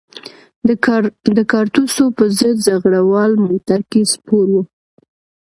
د کارتوسو په ضد زغره وال موټر کې سپور وو.